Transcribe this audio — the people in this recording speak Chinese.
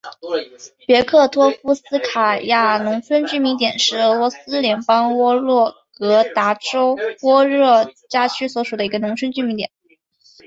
别克托夫斯卡亚农村居民点是俄罗斯联邦沃洛格达州沃热加区所属的一个农村居民点。